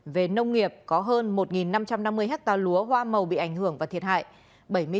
về nông nghiệp có hơn một năm trăm năm mươi hectare lúa hoa màu bị ảnh hưởng và thiệt hại